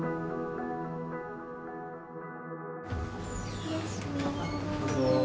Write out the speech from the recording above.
失礼します。